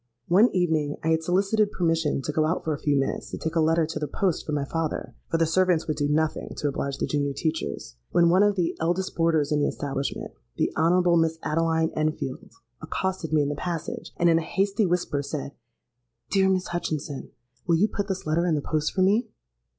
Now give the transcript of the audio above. One evening I had solicited permission to go out for a few minutes to take a letter to the post for my father (for the servants would do nothing to oblige the junior teachers), when one of the eldest boarders in the establishment (the Honourable Miss Adeline Enfield) accosted me in the passage, and, in a hasty whisper, said, 'Dear Miss Hutchinson, will you put this letter in the post for me?'